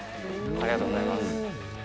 ありがとうございます。